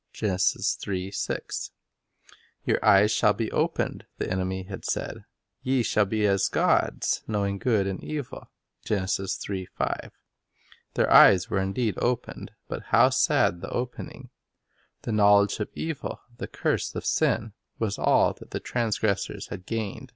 1 "Your eyes shall be opened," the enemy had said; "ye shall be as gods, knowing good and evil." 2 Their eyes were indeed opened; but how sad the opening! The knowledge of evil, the curse of sin, was all that the transgressors gained.